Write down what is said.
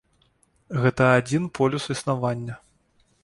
Гэта адзін полюс існавання.